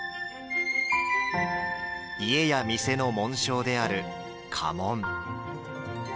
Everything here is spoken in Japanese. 家や店の紋章である家紋。